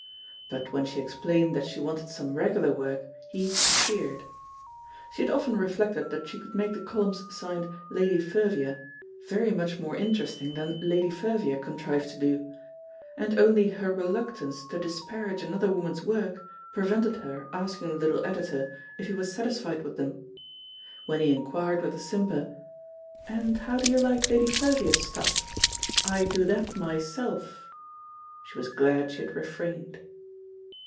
But when she explained that she wanted some regular work, he "feared/* She had often re flected that she could make the columns signed Lady Fervia" very much more interesting than Lady Fervia" contrived to do, and only her reluctance to disparage another woman's work prevented her asking the little Editor if he was satisfied with them. When he inquired with a simper, "And how do you like Lady Fervia's stuff? — I do that myself,*' she was glad she had refrained.